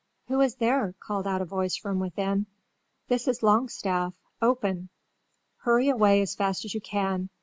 "Who is there?" called out a voice from within. "This is Longstaff! Open!" "Hurry away as fast as you can.